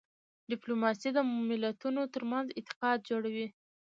ډیپلوماسي د ملتونو ترمنځ اعتماد جوړوي.